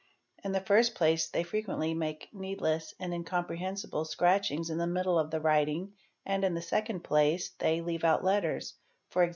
In the first place they frequently make needless and incomprehensible scratchings in the middle of the writing and in the second place they leave out letters, e.g.